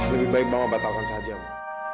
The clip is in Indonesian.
lebih baik mama batalkan saja ma